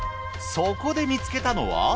そこで見つけたのは？